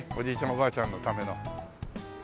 おばあちゃんのためのねっ。